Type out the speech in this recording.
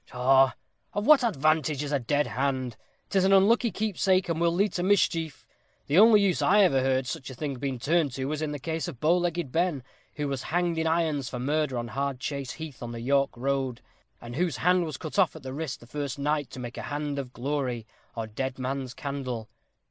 "Pshaw! of what advantage is a dead hand? 'Tis an unlucky keepsake, and will lead to mischief. The only use I ever heard of such a thing being turned to, was in the case of Bow legged Ben, who was hanged in irons for murder, on Hardchase Heath, on the York Road, and whose hand was cut off at the wrist the first night to make a Hand of Glory, or Dead Man's Candle.